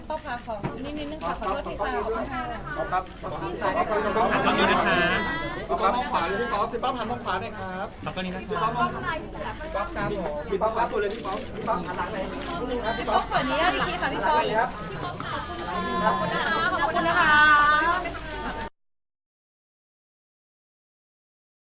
ผมไม่ได้มีสมองคิดตรงนี้เลยครับตอนเนี้ยมันมันร่มสลายไปหมดแล้วครับ